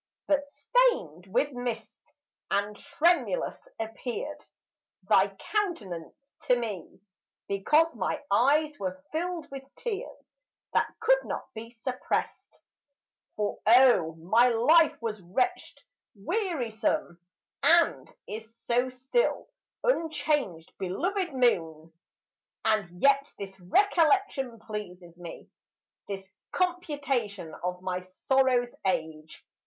But stained with mist, and tremulous, appeared Thy countenance to me, because my eyes Were filled with tears, that could not be suppressed; For, oh, my life was wretched, wearisome, And is so still, unchanged, belovèd moon! And yet this recollection pleases me, This computation of my sorrow's age.